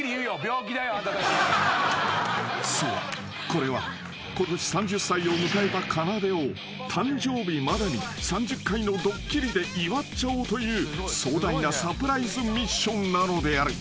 これはことし３０歳を迎えたかなでを誕生日までに３０回のドッキリで祝っちゃおうという壮大なサプライズミッションなのである］